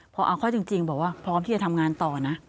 พอเอาเข้าจริงบอกว่าพร้อมที่จะทำงานต่อนะ